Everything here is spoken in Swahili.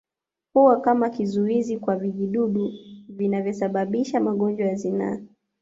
Huwa kama kizuizi kwa vijidudu vinavyosababisha magonjwa ya zinaa